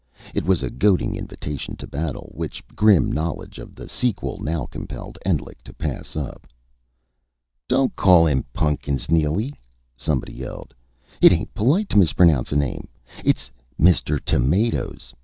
It was a goading invitation to battle, which grim knowledge of the sequel now compelled Endlich to pass up. "Don't call him Pun'kins, Neely!" somebody yelled. "It ain't polite to mispronounce a name. It's Mr. Tomatoes.